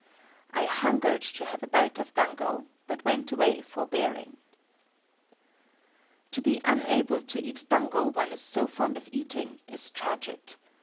I hungered to have a bite of dango, but went away forbearing. To be unable to eat dango one is so fond of eating, is tragic.